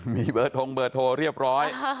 มีเบอร์ทงเบอร์โทรเรียบร้อย